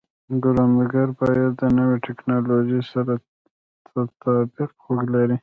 کروندګري باید د نوې ټکنالوژۍ سره تطابق ولري.